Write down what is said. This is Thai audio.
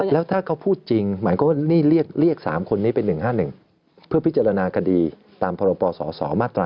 แล้วถ้าเขาพูดจริงหมายความว่านี่เรียก๓คนนี้เป็น๑๕๑เพื่อพิจารณาคดีตามพรปศมาตรา๑